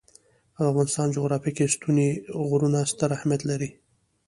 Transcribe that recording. د افغانستان جغرافیه کې ستوني غرونه ستر اهمیت لري.